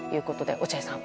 落合さん。